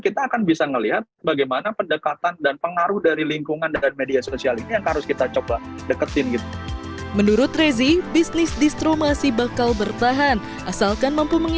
kini dalam satu hari ia rata rata menjual produk yang lain